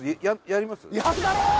やります？